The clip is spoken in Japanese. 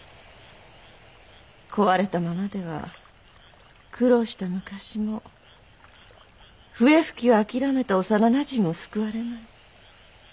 壊れたままでは苦労した昔も笛吹きをあきらめた幼なじみも救われない。